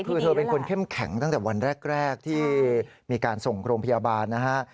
คือเธอเป็นคนเข้มแข็งตั้งแต่วันแรกที่มีการส่งโรงพยาบาลนะฮะ